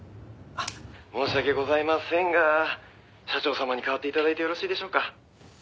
「申し訳ございませんが社長様に代わって頂いてよろしいでしょうか？」